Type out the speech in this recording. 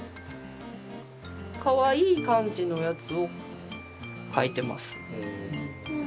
かわいい感じのやつを描いてます。